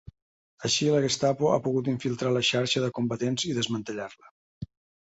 Així la Gestapo ha pogut infiltrar la xarxa de combatents i desmantellar-la.